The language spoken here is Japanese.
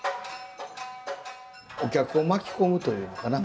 お客を巻き込むというのかな